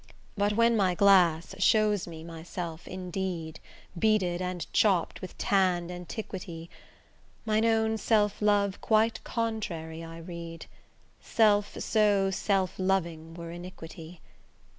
But when my glass shows me myself indeed Beated and chopp'd with tanned antiquity, Mine own self love quite contrary I read; Self so self loving were iniquity.